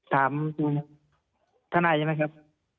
ถามท่านไหนใช่ไหมครับ